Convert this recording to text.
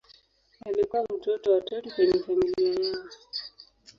Alikuwa mtoto wa tatu kwenye familia yao.